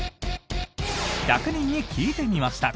１００人に聞いてみました！